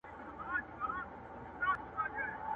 o خوله ئې په اوگره سوې وه، ځگېروى ئې د ځکندن کاوه٫